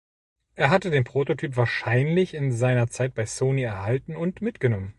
Er hatte den Prototyp wahrscheinlich in seiner Zeit bei Sony erhalten und mitgenommen.